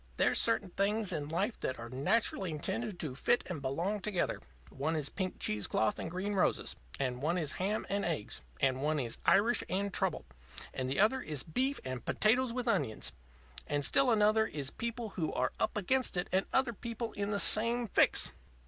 There's certain things in life that are naturally intended to fit and belong together. One is pink cheese cloth and green roses, and one is ham and eggs, and one is Irish and trouble. And the other one is beef and potatoes with onions. And still another one is people who are up against it and other people in the same fix."